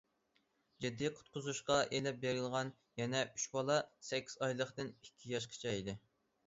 جىددىي قۇتقۇزۇشقا ئېلىپ بېرىلغان يەنە ئۈچ بالا سەككىز ئايلىقتىن ئىككى ياشقىچە ئىدى.